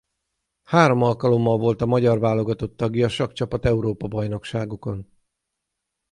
Három alkalommal volt a magyar válogatott tagja a sakkcsapat Európa-bajnokságokon.